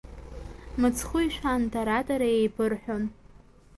Мыцхәы ишәан дара-дара иеибырҳәон…